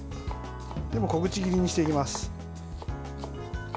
小口切りにしていきます。